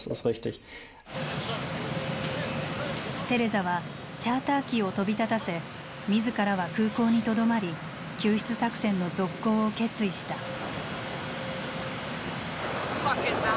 テレザはチャーター機を飛び立たせ自らは空港にとどまり救出作戦の続行を決意した。